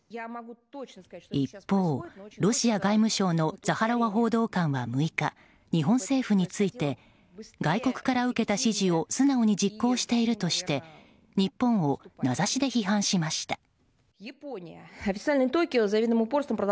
一方、ロシア外務省のザハロワ報道官は６日日本政府について外国から受けた指示を素直に実行しているとして日本を名指しで批判しました。